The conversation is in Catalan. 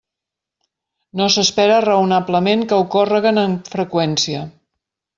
No s'espera, raonablement, que ocórreguen amb freqüència.